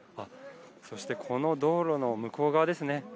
そしてこの道路の向こう側ですね